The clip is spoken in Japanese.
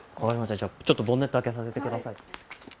じゃあ、ちょっとボンネット開けさせてください。